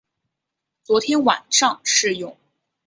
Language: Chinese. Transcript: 昨天晚上试用